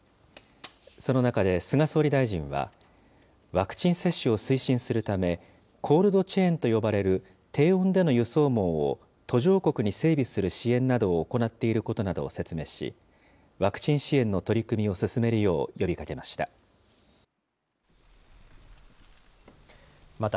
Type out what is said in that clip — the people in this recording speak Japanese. その中で菅総理大臣は、ワクチン接種を推進するため、コールドチェーンと呼ばれる低温での輸送網を、途上国に整備する支援などを行っていることなどを説明し、ワクチン支援の取り組みを進めるよう呼びかけました。